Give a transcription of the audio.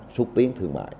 xuất tiến thương mại